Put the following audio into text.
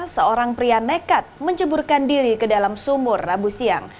seorang pria nekat menceburkan diri ke dalam sumur rabu siang